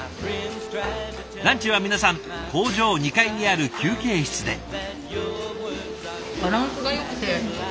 ランチは皆さん工場２階にある休憩室で。